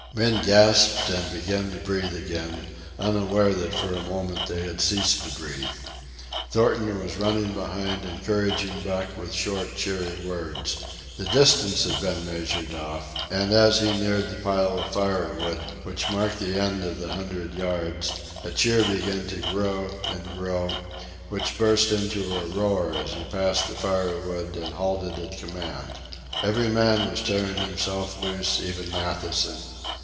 Men gasped and began to breathe again, unaware that for a moment they had ceased to breathe. Thornton was running behind, encouraging Buck with short, cheery words. The distance had been measured off, and as he neared the pile of firewood which marked the end of the hundred yards, a cheer began to grow and grow, which burst into a roar as he passed the firewood and halted at command. Every man was tearing himself loose, even Matthewson.